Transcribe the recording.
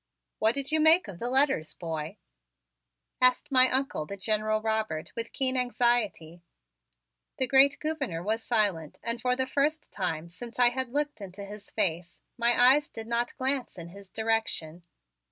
"What did you make of the letters, boy?" asked my Uncle, the General Robert, with keen anxiety. The great Gouverneur was silent and for the first time since I had looked into his face my eyes did not glance in his direction.